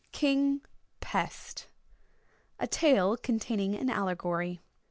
KING PEST A Tale Containing an Allegory.